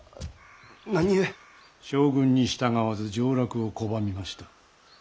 将軍に従わず上洛を拒みました。